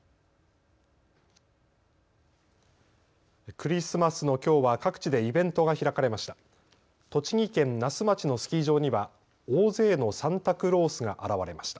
クリスマスのきょうは各地でイベントが開かれました。